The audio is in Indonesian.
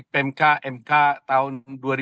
pmk mk tahun dua ribu tujuh belas